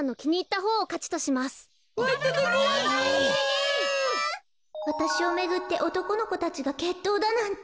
こころのこえわたしをめぐっておとこのこたちがけっとうだなんて。